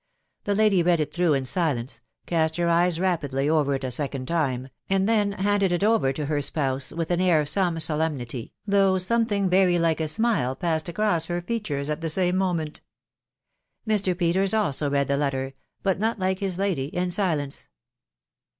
The lady read it through in silence, cast her eyes rapidly over it a second time, and then handled it over to her spouse with an air of some solemnity, though something very like a smile passed across her features at the same moment. Mr. Peters also read the letter, but not like his lady, in silence.